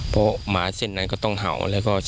เพราะหมาเส้นนั้นก็ต้องเห่า